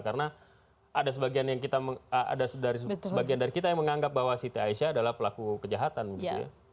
karena ada sebagian dari kita yang menganggap bahwa siti aisyah adalah pelaku kejahatan gitu ya